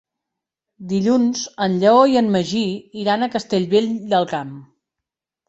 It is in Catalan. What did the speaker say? Dilluns en Lleó i en Magí iran a Castellvell del Camp.